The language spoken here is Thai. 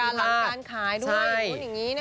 การล้างการขายด้วยอย่างนู้นอย่างนี้นะคะ